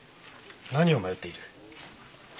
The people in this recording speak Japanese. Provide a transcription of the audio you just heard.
何を迷っている？